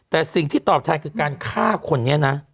แต่สิ่งที่ตอบแทนคือการฆ่าคนนี้นะ